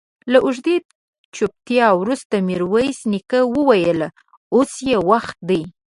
له اوږدې چوپتيا وروسته ميرويس نيکه وويل: اوس يې وخت دی.